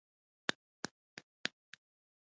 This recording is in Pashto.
استرالیا او ماداګاسکار جلا تکامل تجربه کړ.